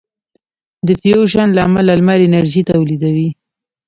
د فیوژن له امله لمر انرژي تولیدوي.